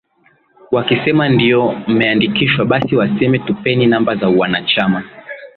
wakisema ndio mmeandikishwa basi wasema tupeni namba za uwanachama